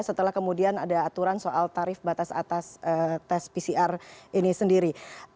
setelah kemudian ada aturan soal tarif batas atas tes pcr ini sendiri